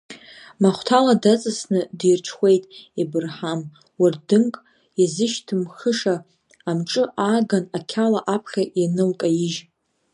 Махәҭала даҵасны дирҽхәеит Ебырҳам, уардынк иазышьҭмхыша амҿы ааган ақьала аԥхьа ианылкаижь.